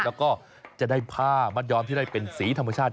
แล้วก็จะได้ผ้ามัดยอมที่ได้เป็นสีธรรมชาติ